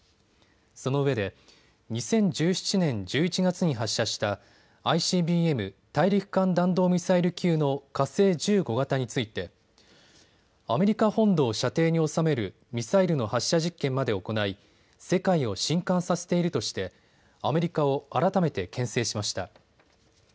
そのうえで２０１７年１１月に発射したＩＣＢＭ・大陸間弾道ミサイル級の火星１５型についてアメリカ本土を射程に収めるミサイルの発射実験まで行い世界をしんかんさせているとしてアメリカを改めてけん制しました。